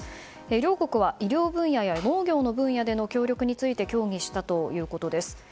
両国は医療分野や農業の分野での協力について協議したということです。